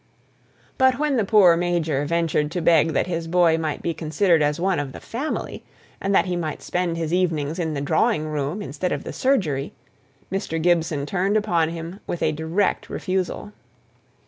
But when the poor major ventured to beg that his boy might be considered as one of the family, and that he might spend his evenings in the drawing room instead of the surgery, Mr. Gibson turned upon him with a direct refusal.